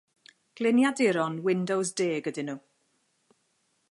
Gliniaduron Windows Deg ydyn nhw.